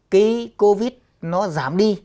cái covid nó giảm đi